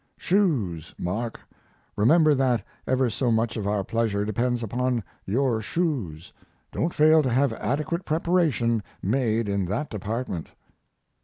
SHOES Mark, remember that ever so much of our pleasure depends upon your shoes. Don't fail to have adequate preparation made in that department.